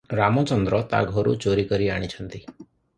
ରାମଚନ୍ଦ୍ର ତା ଘରୁ ଚୋରି କରି ଆଣିଛନ୍ତି ।